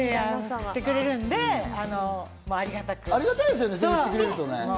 提案してくれるんで、ありがたく。